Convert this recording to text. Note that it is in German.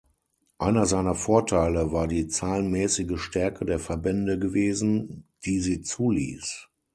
Einer seiner Vorteile war die zahlenmäßige Stärke der Verbände gewesen, die sie zuließ.